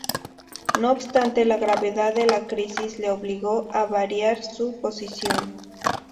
No obstante, la gravedad de la crisis le obligó a variar su posición.